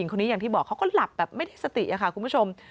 คนนี้อย่างที่บอกเขาก็หลับแบบไม่ได้สติค่ะคุณผู้ชม